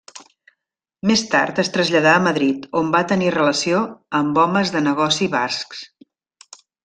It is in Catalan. Més tard es traslladà a Madrid, on va tenir relació amb homes de negoci bascs.